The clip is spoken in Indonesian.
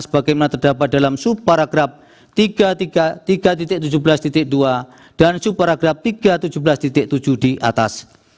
sebagaimana terdapat dalam suparagraf tiga tujuh belas dua dan suparagraf tiga ratus tujuh belas tujuh di atas